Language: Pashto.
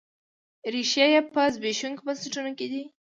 ریښې یې په زبېښونکو بنسټونو کې دي.